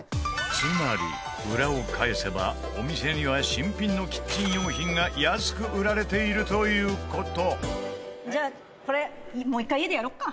つまり、裏を返せばお店には新品のキッチン用品が安く売られているという事綾菜：「じゃあ、これもう１回、家でやろうか」